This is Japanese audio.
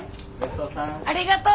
ありがとう。